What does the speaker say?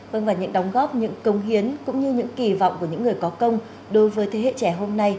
vâng và những đóng góp những công hiến cũng như những kỳ vọng của những người có công đối với thế hệ trẻ hôm nay